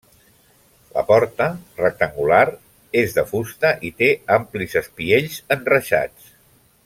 La porta, rectangular, és de fusta i té amplis espiells enreixats.